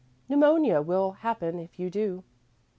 "Pneumonia will happen if you do."